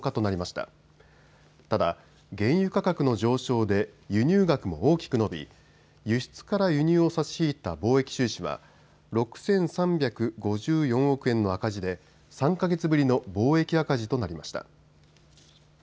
ただ原油価格の上昇で輸入額も大きく伸び輸出から輸入を差し引いた貿易収支は６３５４億円の赤字で３か月ぶりの貿易赤字となりました。